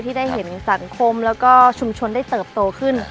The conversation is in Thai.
ที่ได้เห็นสังคมแล้วก็ชุมชนได้เติบโตขึ้น